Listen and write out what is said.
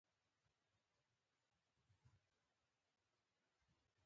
هر ماشوم د زده کړې حق لري.